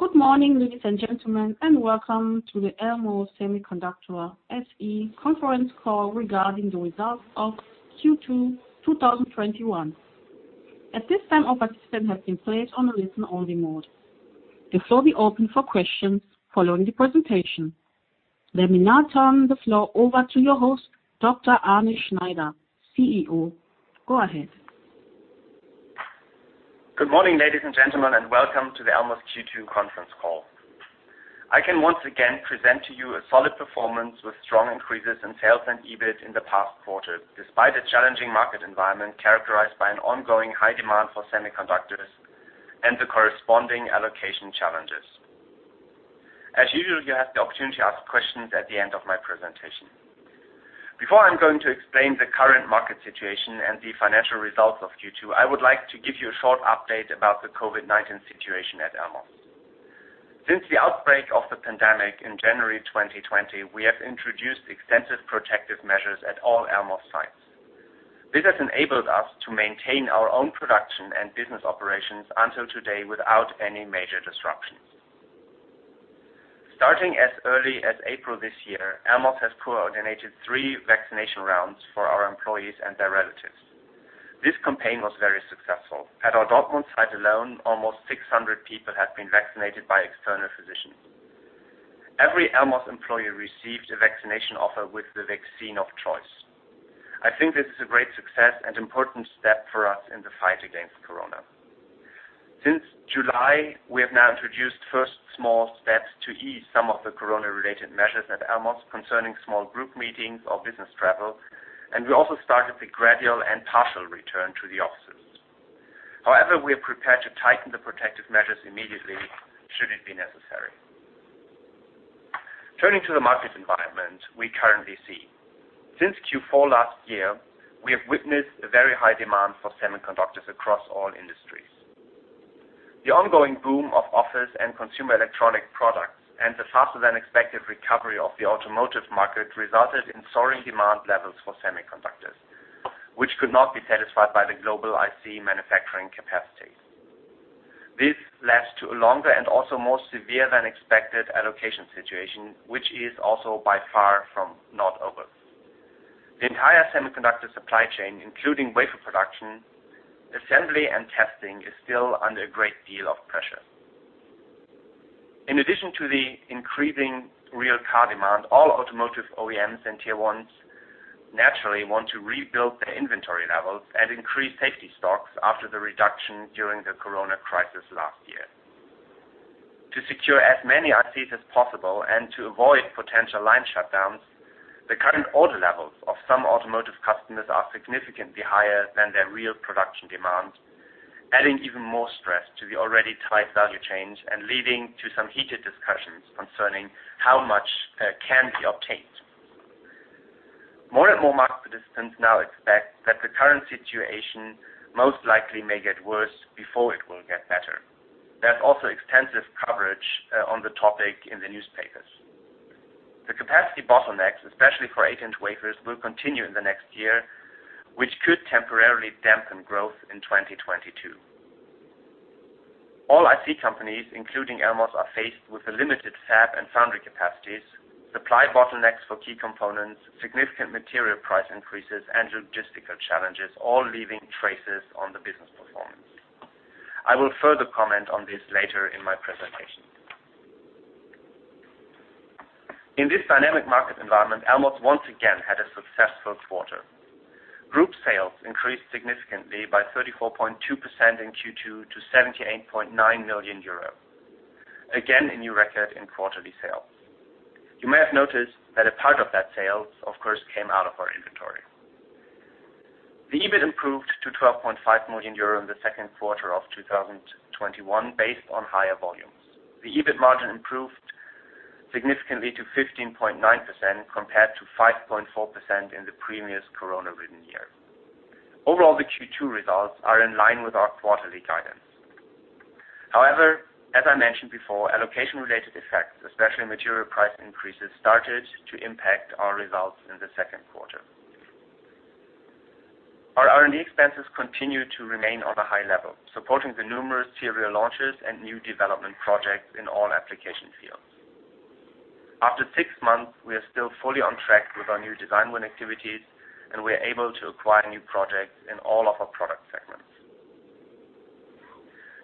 Good morning, ladies and gentlemen, and welcome to the Elmos Semiconductor SE Conference Call regarding the results of Q2 2021. The floor will open for questions following the presentation. Let me now turn the floor over to your host, Dr. Arne Schneider, CEO. Go ahead. Good morning, ladies and gentlemen, welcome to the Elmos Q2 Conference Call. I can once again present to you a solid performance with strong increases in sales and EBIT in the past quarter, despite a challenging market environment characterized by an ongoing high demand for semiconductors and the corresponding allocation challenges. As usual, you have the opportunity to ask questions at the end of my presentation. Before I'm going to explain the current market situation and the financial results of Q2, I would like to give you a short update about the COVID-19 situation at Elmos. Since the outbreak of the pandemic in January 2020, we have introduced extensive protective measures at all Elmos sites. This has enabled us to maintain our own production and business operations until today without any major disruptions. Starting as early as April this year, Elmos has coordinated three vaccination rounds for our employees and their relatives. This campaign was very successful. At our Dortmund site alone, almost 600 people have been vaccinated by external physicians. Every Elmos employee received a vaccination offer with the vaccine of choice. I think this is a great success and important step for us in the fight against Corona. Since July, we have now introduced first small steps to ease some of the Corona-related measures at Elmos concerning small group meetings or business travel, and we also started the gradual and partial return to the offices. We are prepared to tighten the protective measures immediately should it be necessary. Turning to the market environment we currently see. Since Q4 last year, we have witnessed a very high demand for semiconductors across all industries. The ongoing boom of office and consumer electronic products and the faster-than-expected recovery of the automotive market resulted in soaring demand levels for semiconductors, which could not be satisfied by the global IC manufacturing capacity. This led to a longer and also more severe than expected allocation situation, which is also by far from not over. The entire semiconductor supply chain, including wafer production, assembly, and testing, is still under a great deal of pressure. In addition to the increasing real car demand, all automotive OEMs and Tier 1s naturally want to rebuild their inventory levels and increase safety stocks after the reduction during the corona crisis last year. To secure as many ICs as possible and to avoid potential line shutdowns, the current order levels of some automotive customers are significantly higher than their real production demand, adding even more stress to the already tight value chains and leading to some heated discussions concerning how much can be obtained. More and more market participants now expect that the current situation most likely may get worse before it will get better. There's also extensive coverage on the topic in the newspapers. The capacity bottlenecks, especially for eight-inch wafers, will continue in the next year, which could temporarily dampen growth in 2022. All IC companies, including Elmos, are faced with the limited fab and foundry capacities, supply bottlenecks for key components, significant material price increases, and logistical challenges, all leaving traces on the business performance. I will further comment on this later in my presentation. In this dynamic market environment, Elmos once again had a successful quarter. Group sales increased significantly by 34.2% in Q2 to 78.9 million euro. Again, a new record in quarterly sales. You may have noticed that a part of that sales, of course, came out of our inventory. The EBIT improved to 12.5 million euro in the second quarter of 2021, based on higher volumes. The EBIT margin improved significantly to 15.9% compared to 5.4% in the previous corona-ridden year. Overall, the Q2 results are in line with our quarterly guidance. However, as I mentioned before, allocation-related effects, especially material price increases, started to impact our results in the second quarter. Our R&D expenses continue to remain on a high level, supporting the numerous serial launches and new development projects in all application fields. After six months, we are still fully on track with our new design win activities, and we are able to acquire new projects in all of our product segments.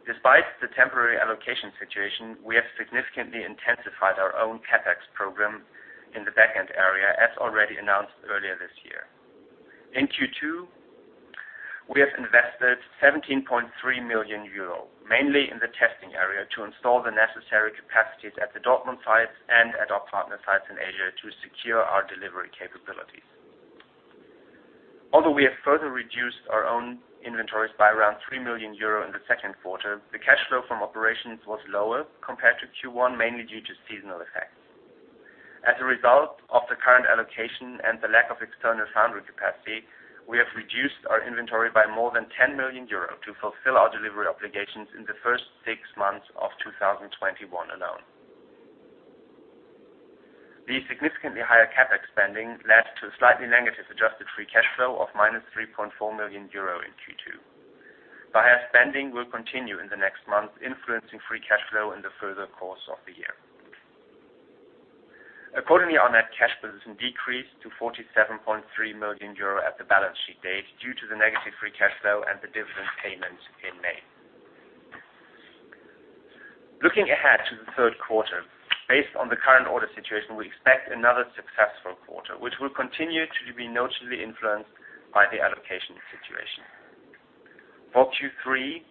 Despite the temporary allocation situation, we have significantly intensified our own CapEx program in the back-end area as already announced earlier this year. In Q2, we have invested 17.3 million euro, mainly in the testing area to install the necessary capacities at the Dortmund sites and at our partner sites in Asia to secure our delivery capabilities. Although we have further reduced our own inventories by around 3 million euro in the second quarter, the cash flow from operations was lower compared to Q1, mainly due to seasonal effects. As a result of the current allocation and the lack of external foundry capacity, we have reduced our inventory by more than 10 million euro to fulfill our delivery obligations in the first six months of 2021 alone. The significantly higher CapEx spending led to a slightly negative adjusted free cash flow of -3.4 million euro in Q2. The higher spending will continue in the next months, influencing free cash flow in the further course of the year. Accordingly, our net cash position decreased to 47.3 million euro at the balance sheet date due to the negative free cash flow and the dividend payment in May. Looking ahead to the third quarter, based on the current order situation, we expect another successful quarter, which will continue to be notably influenced by the allocation situation. For Q3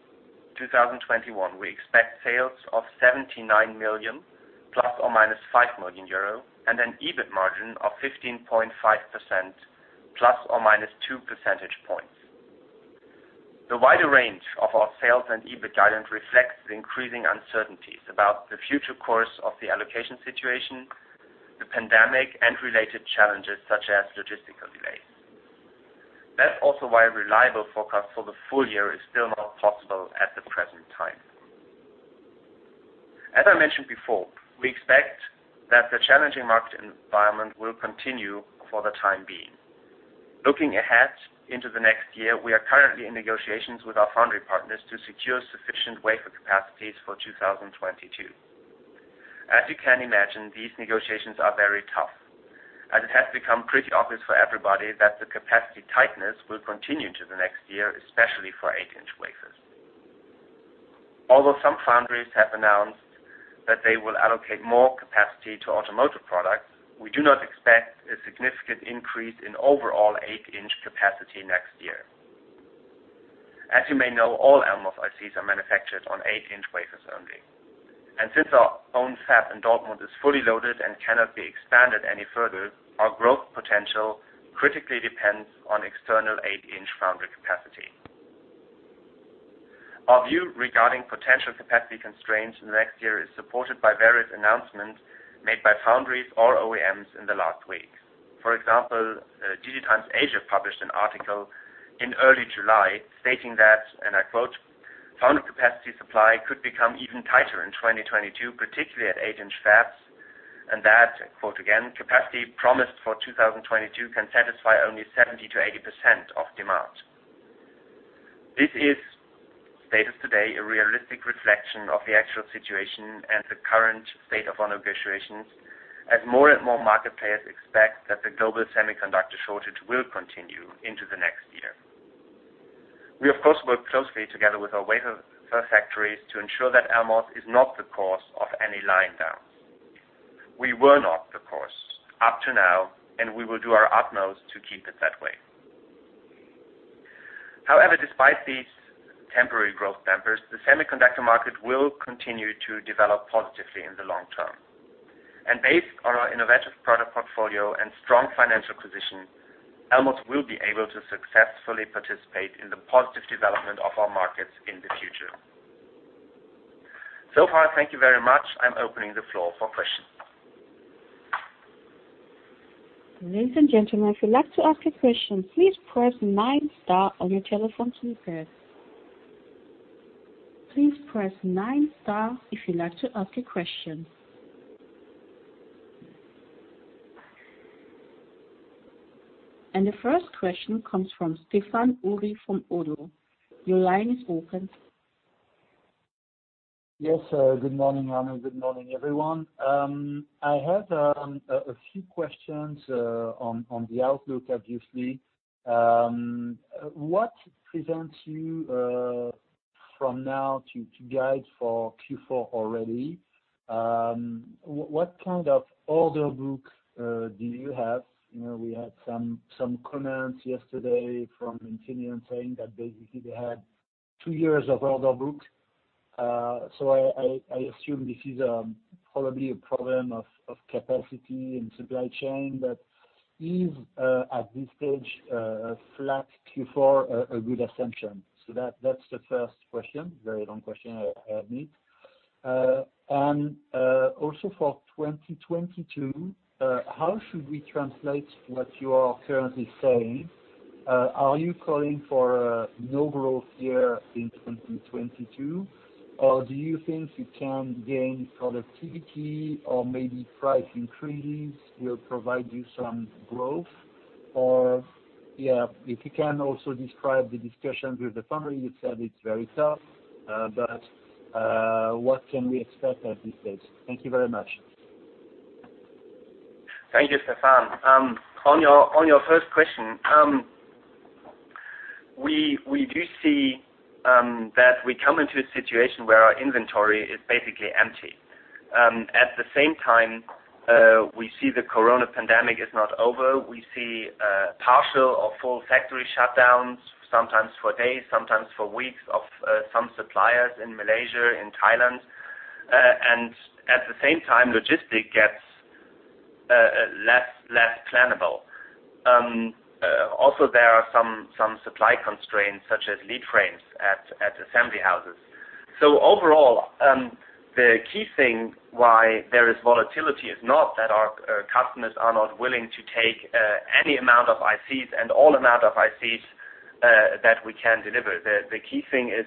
2021, we expect sales of 79 million, ±5 million euro, and an EBIT margin of 15.5%, ±2 percentage points. The wider range of our sales and EBIT guidance reflects the increasing uncertainties about the future course of the allocation situation, the pandemic, and related challenges such as logistical delays. That's also why a reliable forecast for the full year is still not possible at the present time. As I mentioned before, we expect that the challenging market environment will continue for the time being. Looking ahead into the next year, we are currently in negotiations with our foundry partners to secure sufficient wafer capacities for 2022. As you can imagine, these negotiations are very tough as it has become pretty obvious for everybody that the capacity tightness will continue into the next year, especially for eight-inch wafers. Although some foundries have announced that they will allocate more capacity to automotive products, we do not expect a significant increase in overall eight-inch capacity next year. As you may know, all Elmos ICs are manufactured on eight-inch wafers only. Since our own fab in Dortmund is fully loaded and cannot be expanded any further, our growth potential critically depends on external eight-inch foundry capacity. Our view regarding potential capacity constraints in the next year is supported by various announcements made by foundries or OEMs in the last weeks. For example, DigiTimes Asia published an article in early July stating that, and I quote, "Foundry capacity supply could become even tighter in 2022, particularly at eight-inch fabs." That, I quote again, "Capacity promised for 2022 can satisfy only 70%-80% of demand." This is, status today, a realistic reflection of the actual situation and the current state of our negotiations, as more and more market players expect that the global semiconductor shortage will continue into the next year. We, of course, work closely together with our wafer factories to ensure that Elmos is not the cause of any line downs. We were not the cause up to now, and we will do our utmost to keep it that way. However, despite these temporary growth dampers, the semiconductor market will continue to develop positively in the long term. Based on our innovative product portfolio and strong financial position, Elmos will be able to successfully participate in the positive development of our markets in the future. Far, thank you very much. I'm opening the floor for questions. Ladies and gentlemen, if you'd like to ask a question, please press nine star on your telephone keypad. Please press nine star if you'd like to ask a question. The first question comes from Stéphane Houri from ODDO BHF. Your line is open. Yes, good morning, Arne. Good morning, everyone. I had a few questions on the outlook, obviously. What prevents you from now to guide for Q4 already? What kind of order book do you have? We had some comments yesterday from Infineon saying that basically they had 2 years of order book. I assume this is probably a problem of capacity and supply chain, but is, at this stage, a flat Q4 a good assumption? That's the first question. Very long question ahead of me. Also for 2022, how should we translate what you are currently saying? Are you calling for a no-growth year in 2022, or do you think you can gain productivity or maybe price increases will provide you some growth? Yeah, if you can also describe the discussions with the foundry. You said it's very tough, what can we expect at this stage? Thank you very much. Thank you, Stéphane. On your first question, we do see that we come into a situation where our inventory is basically empty. At the same time, we see the coronavirus pandemic is not over. We see partial or full factory shutdowns, sometimes for days, sometimes for weeks, of some suppliers in Malaysia, in Thailand. At the same time, logistics gets less plannable. Also, there are some supply constraints, such as lead frames at assembly houses. Overall, the key thing why there is volatility is not that our customers are not willing to take any amount of ICs and all amount of ICs that we can deliver. The key thing is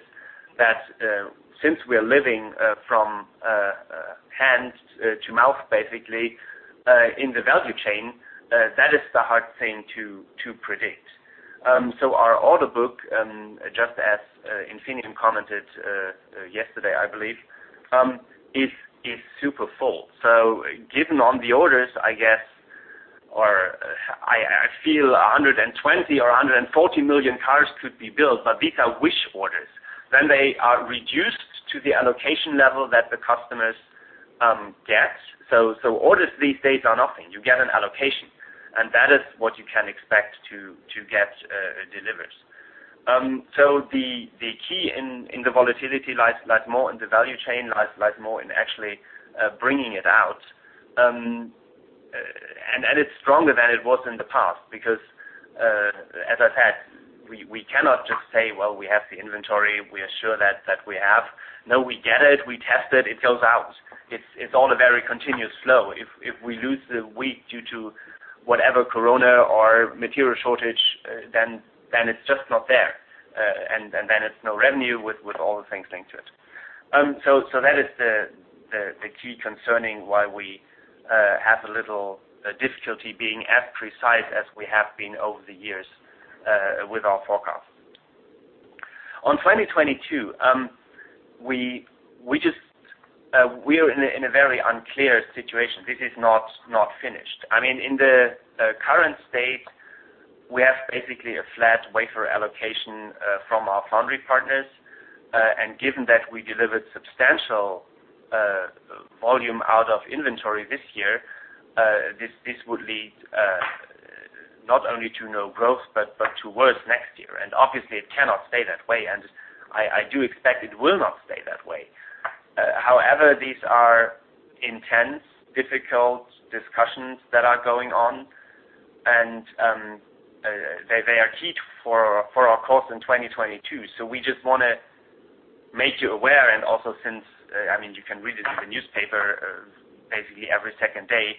that since we are living from hand to mouth, basically, in the value chain, that is the hard thing to predict. Our order book, just as Infineon commented yesterday, I believe, is super full. Given on the orders, I guess, or I feel 120 or 140 million cars could be built, but these are wish orders. They are reduced to the allocation level that the customers get. Orders these days are nothing. You get an allocation, and that is what you can expect to get delivered. The key in the volatility lies more in the value chain, lies more in actually bringing it out. It's stronger than it was in the past, because, as I said, we cannot just say, "Well, we have the inventory. We are sure that we have." No, we get it, we test it goes out. It's all a very continuous flow. If we lose the week due to whatever, COVID-19 or material shortage, then it's just not there. It's no revenue with all the things linked to it. That is the key concerning why we have a little difficulty being as precise as we have been over the years with our forecast. On 2022, we are in a very unclear situation. This is not finished. In the current state, we have basically a flat wafer allocation from our foundry partners. Given that we delivered substantial volume out of inventory this year, this would lead not only to no growth but to worse next year. Obviously it cannot stay that way, and I do expect it will not stay that way. However, these are intense, difficult discussions that are going on, and they are key for our course in 2022. We just want to make you aware, and also since you can read it in the newspaper basically every second day,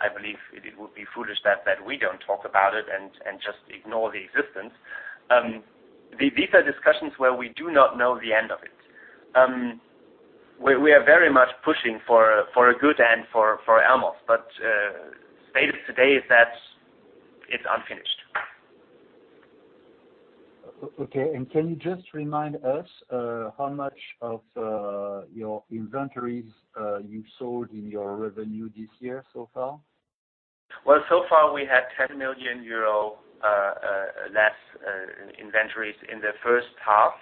I believe it would be foolish that we don't talk about it and just ignore the existence. These are discussions where we do not know the end of it. We are very much pushing for a good end for Elmos, but status today is that it's unfinished. Okay. Can you just remind us how much of your inventories you sold in your revenue this year so far? Well, so far we had 10 million euro less inventories in the first half.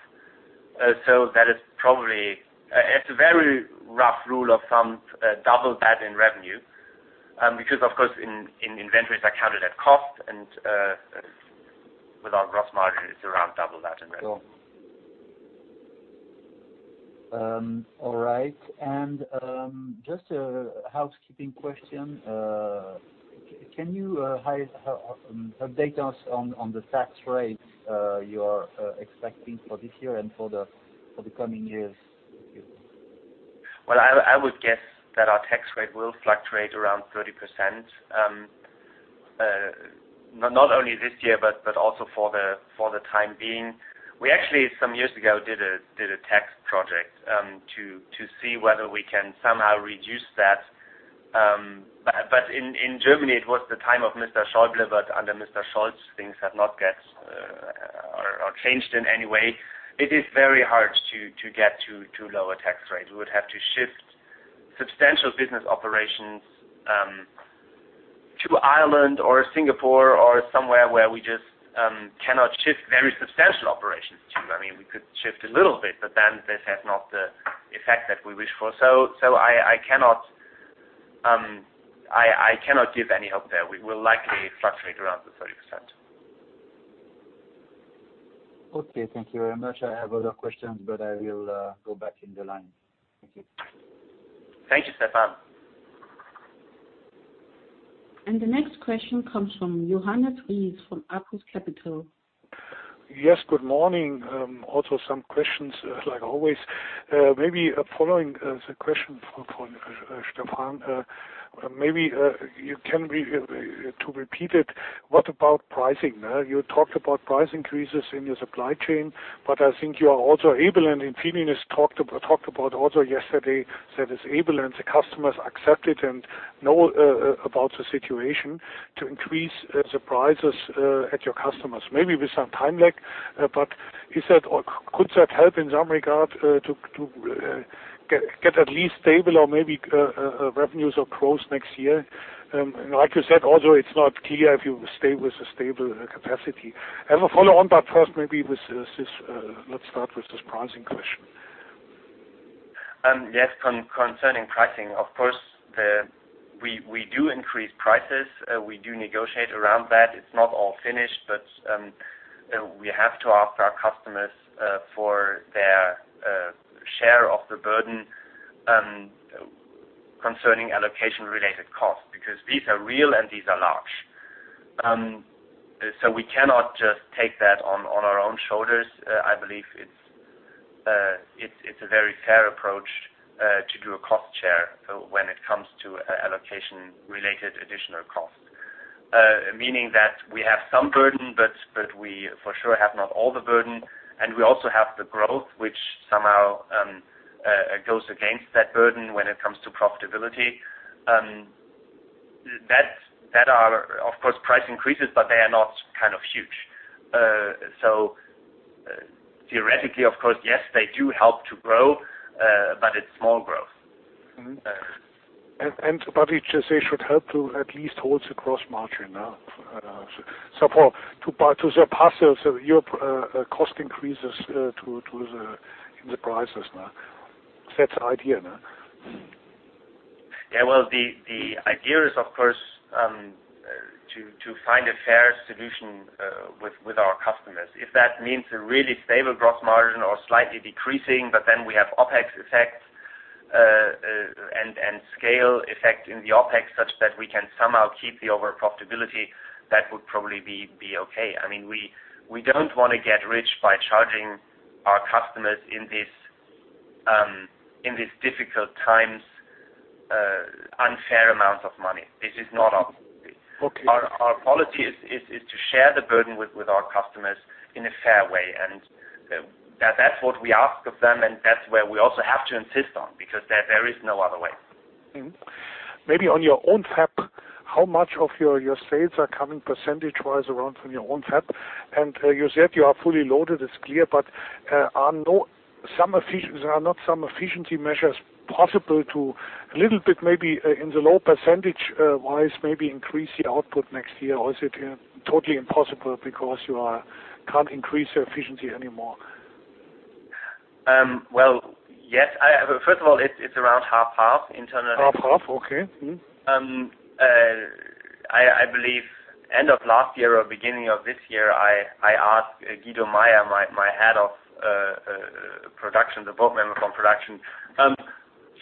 That is probably, at a very rough rule of thumb, double that in revenue. Because, of course, in inventories are counted at cost, and with our gross margin, it's around double that in revenue. Sure. All right. Just a housekeeping question. Can you update us on the tax rate you are expecting for this year and for the coming years? Well, I would guess that our tax rate will fluctuate around 30%. Not only this year, but also for the time being. We actually, some years ago, did a tax project to see whether we can somehow reduce that. In Germany, it was the time of Mr. Schäuble, but under Mr. Scholz, things have not changed in any way. It is very hard to get to lower tax rates. We would have to shift substantial business operations to Ireland or Singapore or somewhere where we just cannot shift very substantial operations to. We could shift a little bit, but then this has not the effect that we wish for. I cannot give any hope there. We will likely fluctuate around the 30%. Okay. Thank you very much. I have other questions. I will go back in the line. Thank you. Thank you, Stéphane. The next question comes from Johannes Ries from Apus Capital. Yes, good morning. Also some questions, like always. Maybe following the question from Stéphane, maybe you can to repeat it, what about pricing? You talked about price increases in your supply chain, but I think you are also able, and Infineon has talked about also yesterday that it's able and the customers accept it and know about the situation to increase the prices at your customers. Maybe with some time lag, but could that help in some regard to get at least stable or maybe revenues or growth next year? Like you said, also, it's not key if you stay with a stable capacity. I have a follow on, but first maybe let's start with this pricing question. Yes. Concerning pricing, of course, we do increase prices. We do negotiate around that. It's not all finished, but we have to ask our customers for their share of the burden concerning allocation-related costs, because these are real, and these are large. We cannot just take that on our own shoulders. I believe it's a very fair approach to do a cost share when it comes to allocation-related additional cost. Meaning that we have some burden, but we for sure have not all the burden, and we also have the growth, which somehow goes against that burden when it comes to profitability. That are, of course, price increases, but they are not huge. Theoretically, of course, yes, they do help to grow, but it's small growth. They should help to at least hold the gross margin now. Far, to surpassing your cost increases in the prices now. That's the idea. Yeah. Well, the idea is, of course, to find a fair solution with our customers. If that means a really stable gross margin or slightly decreasing, but then we have OpEx effect and scale effect in the OpEx such that we can somehow keep the overall profitability, that would probably be okay. We don't want to get rich by charging our customers in these difficult times unfair amounts of money. This is not our policy. Our policy is to share the burden with our customers in a fair way, and that's what we ask of them, and that's where we also have to insist on, because there is no other way. Maybe on your own fab, how much of your sales are coming percentage-wise around from your own fab? You said you are fully loaded, it's clear, but are not some efficiency measures possible to a little bit, maybe in the low percentage-wise, maybe increase the output next year? Is it totally impossible because you can't increase your efficiency anymore? Well, yes. First of all, it's around half-half internally. 50/50, okay. I believe end of last year or beginning of this year, I asked Guido Meyer, my head of production, the board member from production,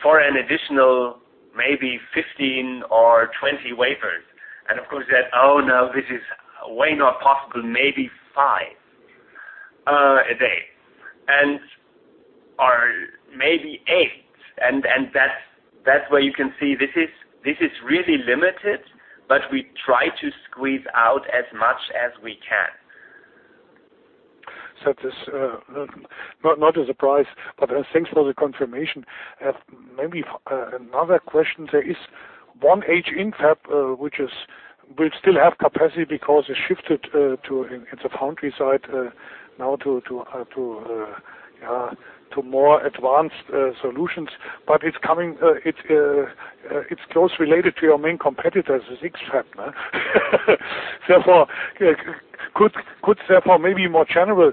for an additional maybe 15 or 20 wafers. Of course he said, "Oh, no, this is way not possible. Maybe five a day or maybe eight." That's where you can see this is really limited, but we try to squeeze out as much as we can. It is not a surprise, but thanks for the confirmation. Maybe another question, there is Erfurt fab, which will still have capacity because it shifted to, it's a foundry site now to more advanced solutions. It's close related to your main competitor, the X-FAB. Could therefore maybe more general,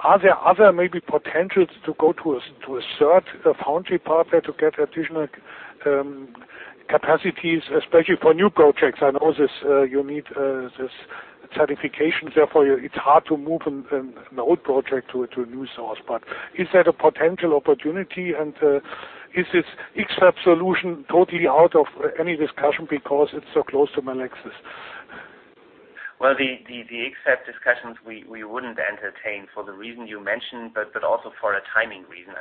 are there other maybe potentials to go to a third foundry partner to get additional capacities, especially for new projects? I know you need this certification, therefore it's hard to move an old project to a new source. Is that a potential opportunity, and is this X-FAB solution totally out of any discussion because it's so close to Melexis? Well, the X-FAB discussions we wouldn't entertain for the reason you mentioned, but also for a timing reason.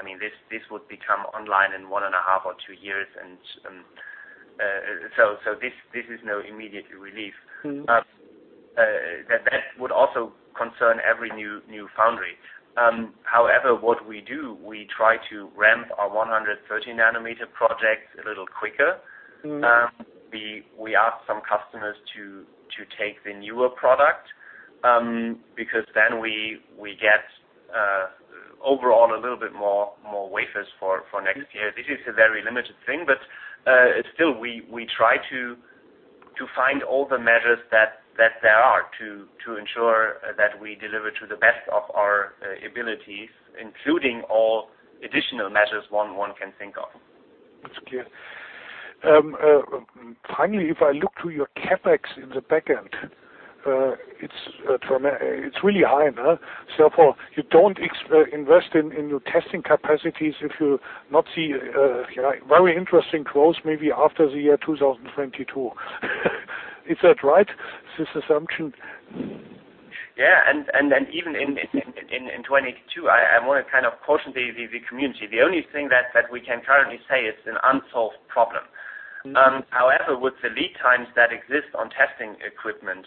This would become online in one and a half or two years, this is no immediate relief. That would also concern every new foundry. However, what we do, we try to ramp our 130 nm projects a little quicker. We ask some customers to take the newer product, because then we get overall a little bit more wafers for next year. This is a very limited thing, but still, we try to find all the measures that there are to ensure that we deliver to the best of our abilities, including all additional measures one can think of. That's clear. Finally, if I look to your CapEx in the back end, it's really high. So far, you don't invest in your testing capacities if you not see a very interesting growth maybe after the year 2022. Is that right, this assumption? Yeah, then even in 2022, I want to caution the community. The only thing that we can currently say, it's an unsolved problem. However, with the lead times that exist on testing equipment,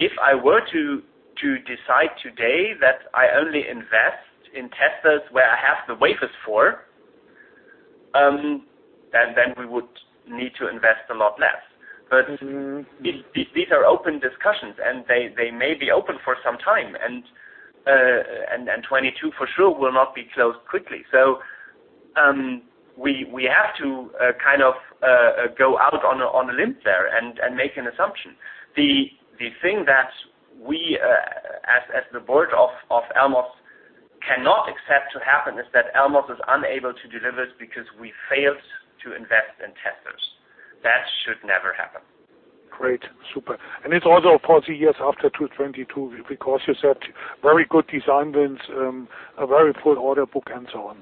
if I were to decide today that I only invest in testers where I have the wafers for, then we would need to invest a lot less. These are open discussions, and they may be open for some time, 2022 for sure will not be closed quickly. We have to go out on a limb there and make an assumption. The thing that we, as the board of Elmos, cannot accept to happen is that Elmos is unable to deliver because we failed to invest in testers. That should never happen. Great. Super. It's also for the years after 2022, because you said very good design wins, a very full order book, and so on.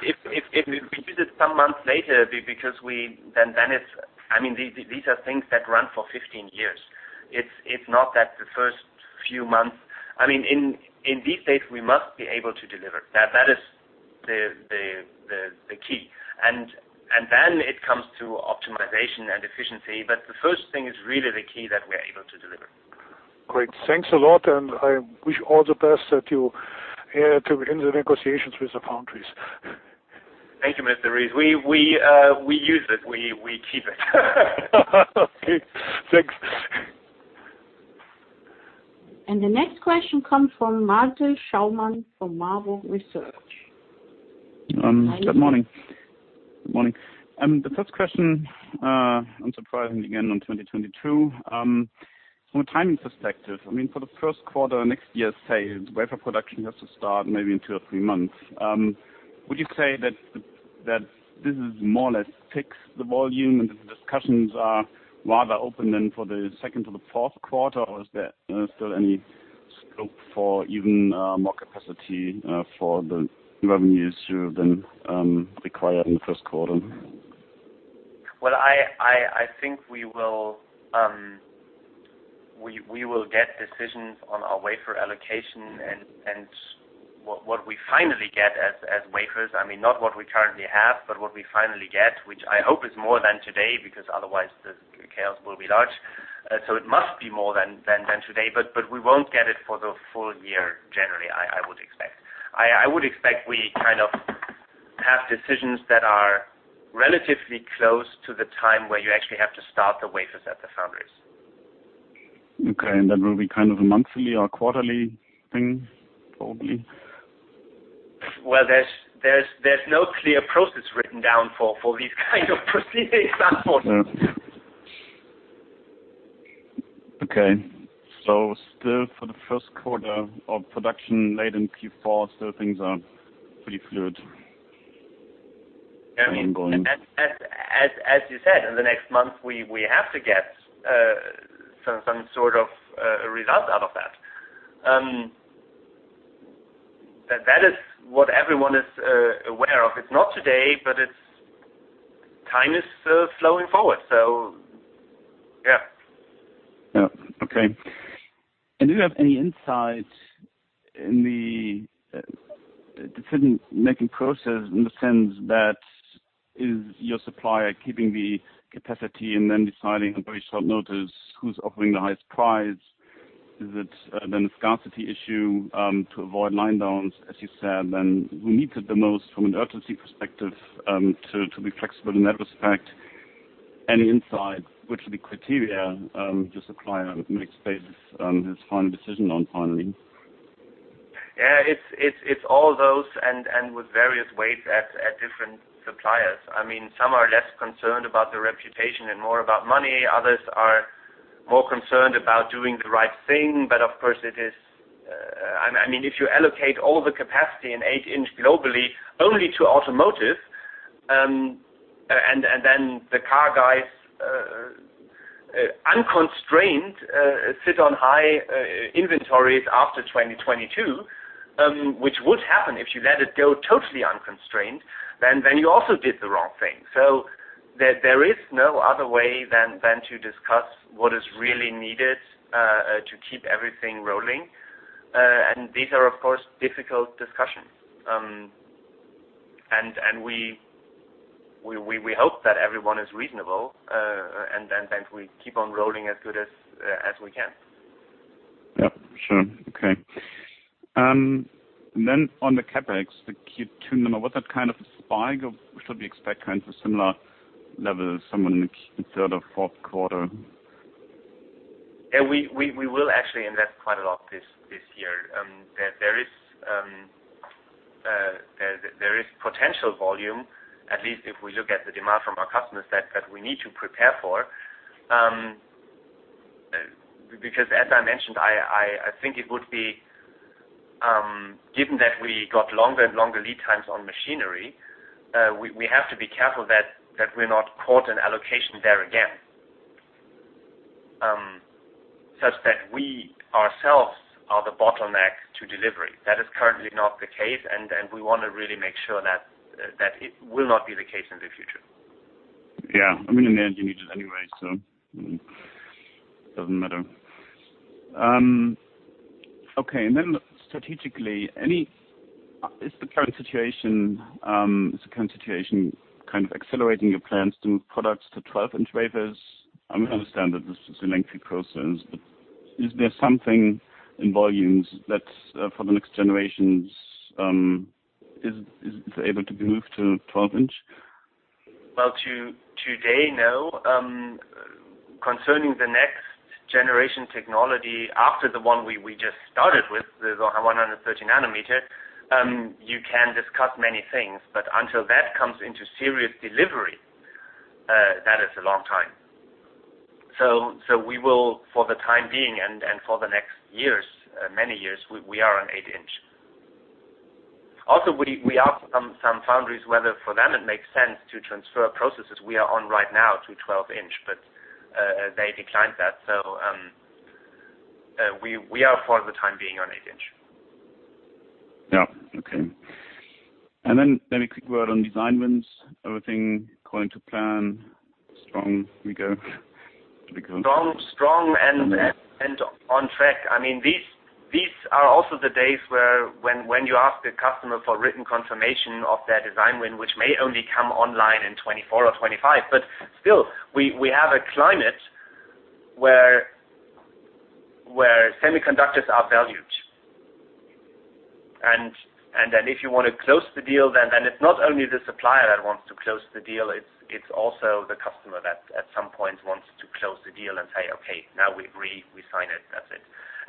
If we do this some months later, because then these are things that run for 15 years. It's not that the first few months. In these days, we must be able to deliver the key. Then it comes to optimization and efficiency. The first thing is really the key that we are able to deliver. Great. Thanks a lot. I wish all the best in the negotiations with the foundries. Thank you, Mr. Ries. We use it. We keep it. Okay, thanks. The next question comes from Malte Schaumann from Warburg Research. Good morning. The first question, unsurprisingly, again on 2022. From a timing perspective, for the first quarter next year, say, wafer production has to start maybe in two or three months. Would you say that this is more or less fixed, the volume, and that the discussions are rather open then for the second to the fourth quarter? Is there still any scope for even more capacity for the revenues to then require in the first quarter? Well, I think we will get decisions on our wafer allocation and what we finally get as wafers, not what we currently have, but what we finally get, which I hope is more than today, because otherwise the chaos will be large. It must be more than today, but we won't get it for the full year, generally, I would expect. I would expect we kind of have decisions that are relatively close to the time where you actually have to start the wafers at the foundries. Okay, that will be kind of a monthly or quarterly thing, probably? Well, there's no clear process written down for these kind of proceedings. Okay. Still for the first quarter of production late in Q4, still things are pretty fluid ongoing. As you said, in the next month, we have to get some sort of a result out of that. That is what everyone is aware of. It's not today, but time is flowing forward, so yeah. Yeah. Okay. Do you have any insight in the decision-making process in the sense that is your supplier keeping the capacity and then deciding on very short notice who's offering the highest price? Is it then a scarcity issue, to avoid line downs, as you said, and who needs it the most from an urgency perspective, to be flexible in that respect? Any insight, which are the criteria your supplier makes basis his final decision on finally? Yeah, it's all those and with various weights at different suppliers. Some are less concerned about their reputation and more about money. Others are more concerned about doing the right thing. Of course, if you allocate all the capacity in eight-inch globally only to automotive, and then the car guys unconstrained, sit on high inventories after 2022, which would happen if you let it go totally unconstrained, you also did the wrong thing. There is no other way than to discuss what is really needed, to keep everything rolling. These are, of course, difficult discussions. We hope that everyone is reasonable, and we keep on rolling as good as we can. Sure. Okay. On the CapEx, the Q2 number, was that kind of a spike, or should we expect kind of a similar level somewhere in the third or fourth quarter? We will actually invest quite a lot this year. There is potential volume, at least if we look at the demand from our customer set that we need to prepare for. As I mentioned, I think it would be, given that we got longer and longer lead times on machinery, we have to be careful that we're not caught in allocation there again, such that we ourselves are the bottleneck to delivery. That is currently not the case, we want to really make sure that it will not be the case in the future. Yeah. In the engineers anyway, so doesn't matter. Strategically, is the current situation kind of accelerating your plans to move products to 12-inch wafers? I understand that this is a lengthy process, is there something in volumes that's for the next generations, is able to be moved to 12-inch? Today, no. Concerning the next generation technology after the one we just started with, the 130 nanometer, you can discuss many things, until that comes into serious delivery, that is a long time. We will, for the time being and for the next years, many years, we are on eight-inch. We asked some foundries whether for them it makes sense to transfer processes we are on right now to 12-inch, they declined that. We are for the time being on eight-inch. Yeah. Okay. Maybe a quick word on design wins, everything according to plan? Strong we go? Strong and on track. These are also the days where when you ask the customer for written confirmation of their design win, which may only come online in 2024 or 2025, but still, we have a climate where semiconductors are valued. If you want to close the deal, then it's not only the supplier that wants to close the deal, it's also the customer that at some point wants to close the deal and say, "Okay, now we agree. We sign it, that's it."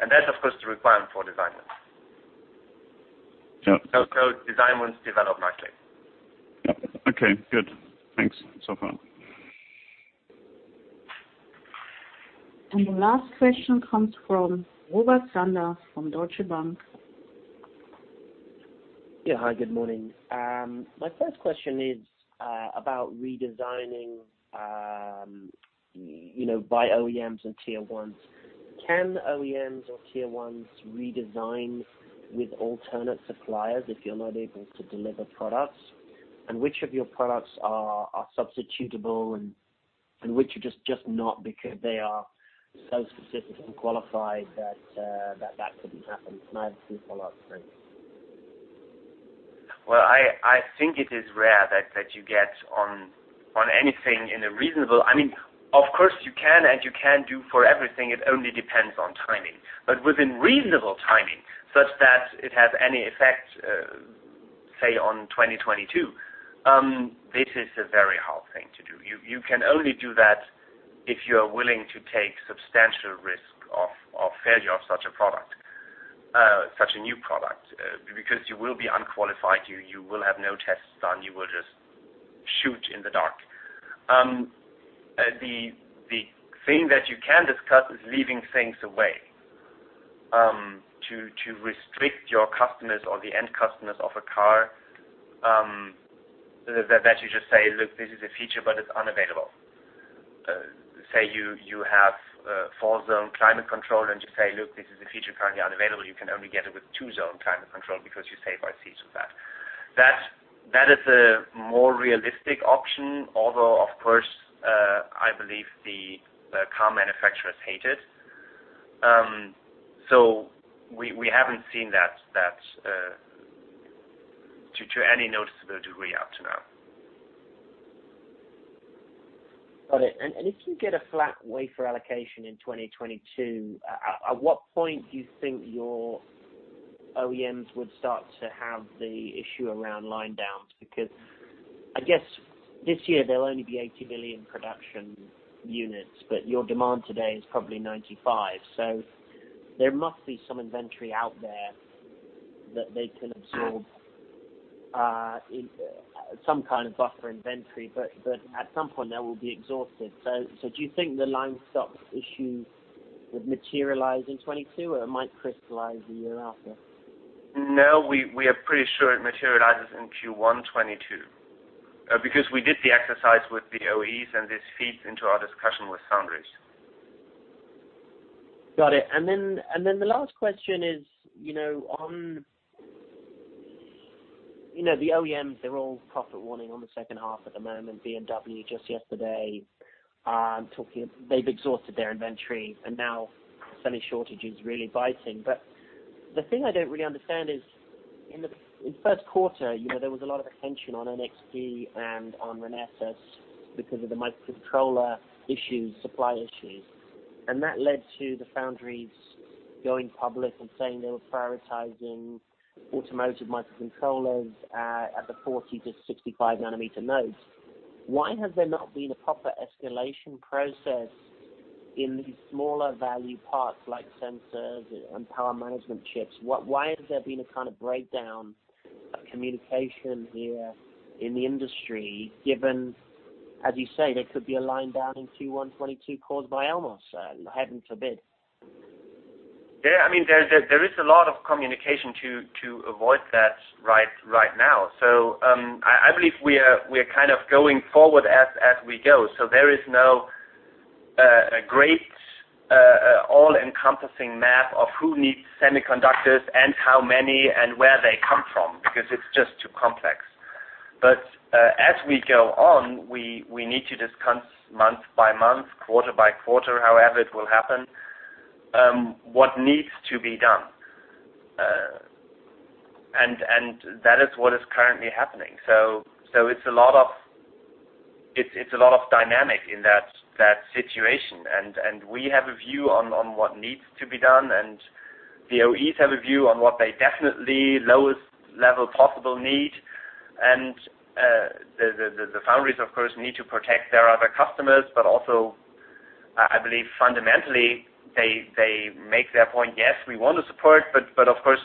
That's, of course, the requirement for design wins. Design wins develop nicely. Okay, good. Thanks so far. The last question comes from Robert Sanders from Deutsche Bank. Yeah. Hi, good morning. My first question is about redesigning by OEMs and Tier 1s. Can OEMs or Tier 1s redesign with alternate suppliers if you're not able to deliver products? Which of your products are substitutable and which are just not because they are so specific and qualified that that couldn't happen? I have two follow-ups for you. Well, I think it is rare that you get on anything. Of course, you can, and you can do for everything. It only depends on timing. Within reasonable timing such that it has any effect, say, on 2022, this is a very hard thing to do. You can only do that if you're willing to take substantial risk of failure of such a new product. You will be unqualified, you will have no tests done. You will just shoot in the dark. The thing that you can discuss is leaving things away, to restrict your customers or the end customers of a car, that you just say, "Look, this is a feature, but it's unavailable." Say you have a four-zone climate control and you say, "Look, this is a feature currently unavailable. You can only get it with two-zone climate control because you save ICs with that." That is a more realistic option. Although, of course, I believe the car manufacturers hate it. We haven't seen that to any noticeable degree up to now. Got it. If you get a flat wafer allocation in 2022, at what point do you think your OEMs would start to have the issue around line downs? I guess this year there'll only be 80 million production units, but your demand today is probably 95 million. There must be some inventory out there that they can absorb, some kind of buffer inventory. At some point, that will be exhausted. Do you think the line stop issue would materialize in '22, or it might crystallize a year after? No, we are pretty sure it materializes in Q1 2022. Because we did the exercise with the OEMs, and this feeds into our discussion with foundries. Got it. The last question is, on the OEMs, they're all profit warning on the second half at the moment. BMW just yesterday, They've exhausted their inventory, now semi shortage is really biting. The thing I don't really understand is in first quarter, there was a lot of attention on NXP and on Renesas because of the microcontroller supply issues. That led to the foundries going public and saying they were prioritizing automotive microcontrollers at the 40 to 65 nanometer nodes. Why has there not been a proper escalation process in these smaller value parts like sensors and power management chips? Why has there been a kind of breakdown of communication here in the industry, given, as you say, there could be a line down in Q1 2022 caused by Elmos, heaven forbid? There is a lot of communication to avoid that right now. I believe we are kind of going forward as we go. There is no great all-encompassing map of who needs semiconductors and how many and where they come from, because it's just too complex. As we go on, we need to discuss month by month, quarter by quarter, however it will happen, what needs to be done. That is what is currently happening. It's a lot of dynamic in that situation. We have a view on what needs to be done, and the OEMs have a view on what they definitely lowest level possible need. The foundries, of course, need to protect their other customers. Also, I believe fundamentally, they make their point, "Yes, we want to support." Of course,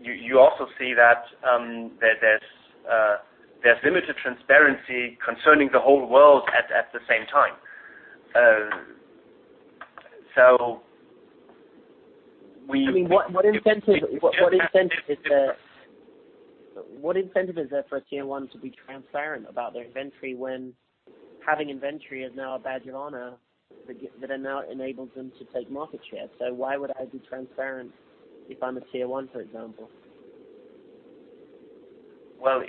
you also see that there's limited transparency concerning the whole world at the same time. What incentive is there for a Tier 1 to be transparent about their inventory when having inventory is now a badge of honor that now enables them to take market share? Why would I be transparent if I'm a Tier 1, for example? Well,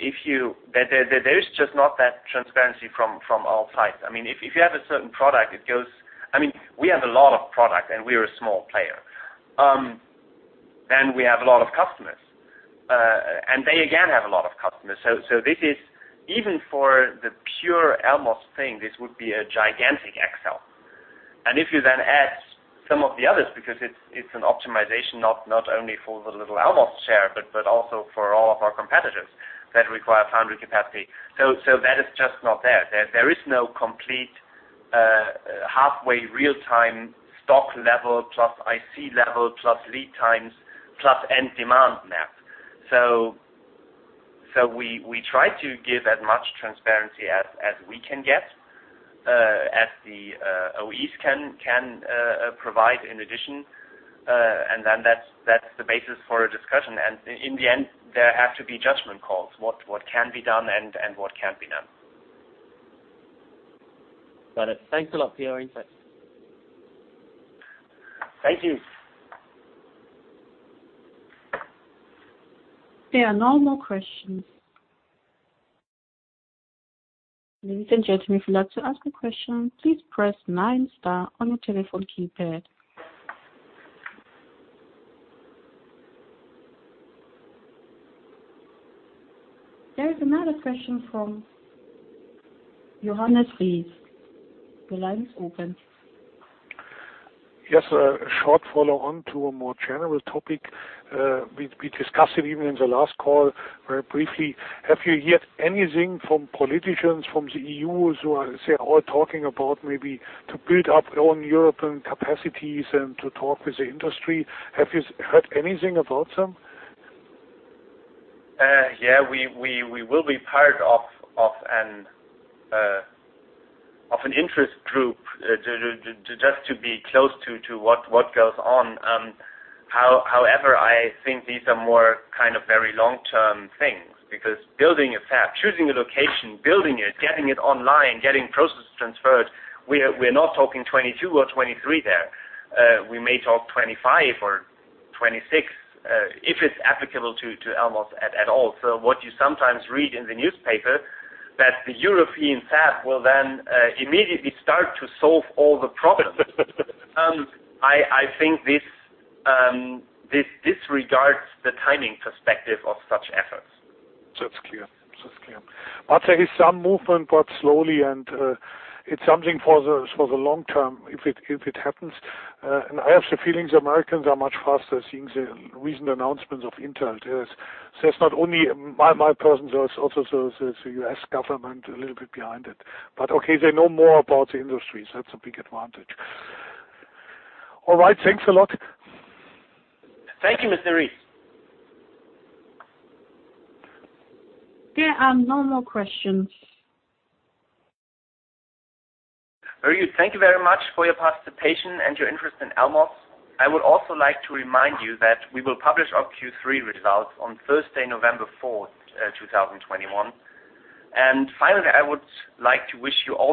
there is just not that transparency from all sides. If you have a certain product. We have a lot of product, and we are a small player. We have a lot of customers, and they again have a lot of customers. This is, even for the pure Elmos thing, this would be a gigantic Excel. If you then add some of the others, because it's an optimization not only for the little Elmos share, but also for all of our competitors that require foundry capacity. That is just not there. There is no complete halfway real-time stock level, plus IC level, plus lead times, plus end demand map. We try to give as much transparency as we can get, as the OEMs can provide in addition, and then that's the basis for a discussion. In the end, there have to be judgment calls, what can be done and what can't be done. Got it. Thanks a lot for your insight. Thank you. There are no more questions. Ladies and gentlemen, if you'd like to ask a question, please press nine star on your telephone keypad. There is another question from Johannes Ries. The line is open. Yes, a short follow-on to a more general topic. We discussed it even in the last call very briefly. Have you heard anything from politicians from the EU, as they are all talking about maybe to build up own European capacities and to talk with the industry? Have you heard anything about them? Yeah, we will be part of an interest group just to be close to what goes on. However, I think these are more kind of very long-term things, because building a fab, choosing a location, building it, getting it online, getting processes transferred, we're not talking 2022 or 2023 there. We may talk 2025 or 2026, if it's applicable to Elmos at all. What you sometimes read in the newspaper, that the European fab will then immediately start to solve all the problems. I think this disregards the timing perspective of such efforts. It's clear. There is some movement, but slowly, and it's something for the long term, if it happens. I have the feeling the Americans are much faster, seeing the recent announcements of Intel. It's not only my person, there is also the U.S. government a little bit behind it. Okay, they know more about the industry, so that's a big advantage. All right, thanks a lot. Thank you, Mr. Ries. There are no more questions. Very good. Thank you very much for your participation and your interest in Elmos. I would also like to remind you that we will publish our Q3 results on Thursday, November 4, 2021. Finally, I would like to wish you all.